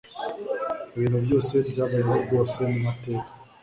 ibintu byose byabayeho rwose mu mateka